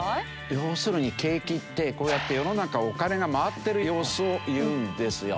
要するに景気ってこうやって世の中お金が回ってる様子をいうんですよ。